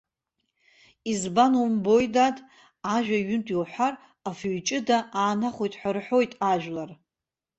Избан умбои, дад, ажәа ҩынтә иуҳәар афҩы ҷыда аанахәоит ҳәа рҳәоит ажәлар.